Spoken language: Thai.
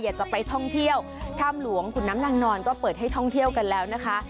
อยากจะไปท่องเที่ยวถ้ำหลวงขุนน้ำนางนอนก็เปิดให้ท่องเที่ยวกันแล้วนะคะ